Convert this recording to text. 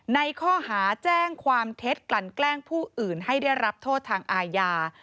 ในข้อหาแจ้งความเท็จกลั่นแกล้งผู้อื่นให้ได้รับโทษทางอาญา